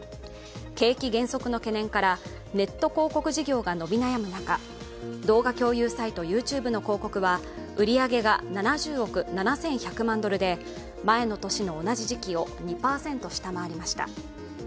景気減速の懸念からネット広告事業が伸び悩む中、動画共有サイト、ＹｏｕＴｕｂｅの広告は売り上げが７０億７１００万ドルで前の年の同じ時期を２％下回りました。